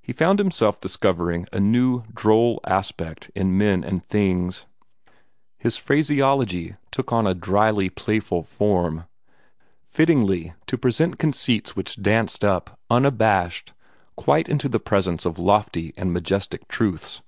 He found himself discovering a new droll aspect in men and things; his phraseology took on a dryly playful form, fittingly to present conceits which danced up, unabashed, quite into the presence of lofty and majestic truths.